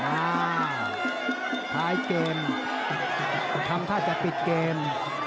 อ่าท้ายเกมทำท่าจะปิดเกม